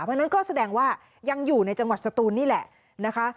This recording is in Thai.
เพราะฉะนั้นก็แสดงว่ายังอยู่ในจังหวัดสตูนนี่แหละนะคะ